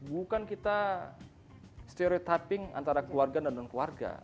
bukan kita stereotyping antara keluarga dan non keluarga